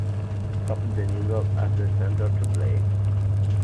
Drop the needle at the center to play.